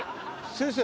先生